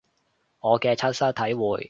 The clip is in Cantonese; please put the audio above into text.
我嘅親身體會